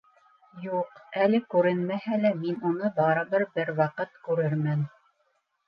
Юҡ, әле күренмәһә лә, мин уны барыбер бер ваҡыт күрермен.